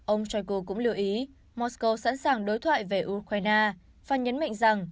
ông shoiku cũng lưu ý moscow sẵn sàng đối thoại về ukraine và nhấn mệnh rằng